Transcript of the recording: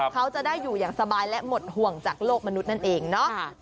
เขาจะได้อยู่อย่างสบายและหมดห่วงจากโลกมนุษย์นั่นเองเนาะ